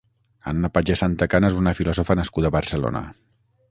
Anna Pagès Santacana és una filòsofa nascuda a Barcelona.